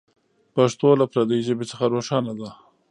پښتو له پردۍ ژبې څخه روښانه ده.